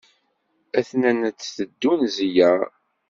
A-ten-an ad d-teddun zziyaṛ.